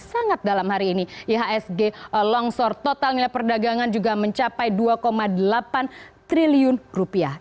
sangat dalam hari ini ihsg longsor total nilai perdagangan juga mencapai dua delapan triliun rupiah